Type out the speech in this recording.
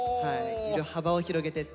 幅を広げてって。